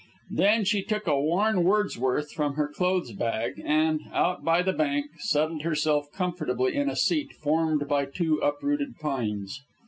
Then she took a worn Wordsworth from her clothes bag, and, out by the bank, settled herself comfortably in a seat formed by two uprooted pines.